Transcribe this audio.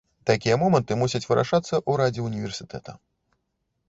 Такія моманты мусяць вырашацца ў радзе ўніверсітэта.